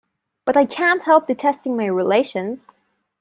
But I can't help detesting my relations.